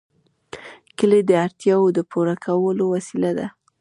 کلي د اړتیاوو د پوره کولو وسیله ده.